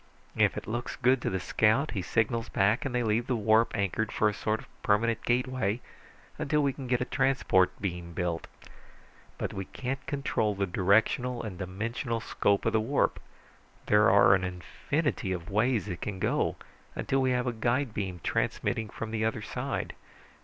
If it looks good to the scout, he signals back, and they leave the warp anchored for a sort of permanent gateway until we can get a transport beam built. But we can't control the directional and dimensional scope of the warp. There are an infinity of ways it can go, until we have a guide beam transmitting from the other side.